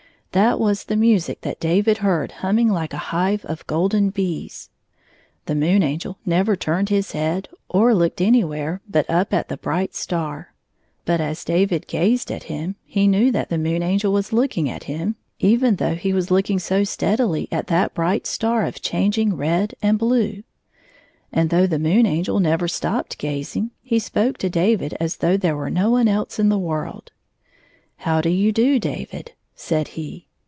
That was the music that David heard humming like a hive of golden bees. The Moon Angel never turned his face or looked any where but up at the bright star, but as David gazed at him he knew that the Moon Angel was looking at him, even though he was looking so steadily at that bright star of changing red and blue. Arid though the Moon Angel never stopped gating, he spoke to David as though there were no one else in the world. "How do you do, David?" said he.